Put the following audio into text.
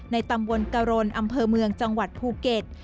ตำบลกรณอำเภอเมืองจังหวัดภูเก็ต